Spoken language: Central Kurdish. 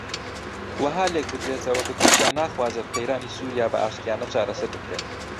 وەها لێک بدرێتەوە کە تورکیا ناخوازێت قەیرانی سووریا بە ئاشتییانە چارەسەر بکرێت